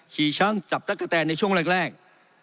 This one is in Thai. ช่างจับตั๊กกะแตนในช่วงแรก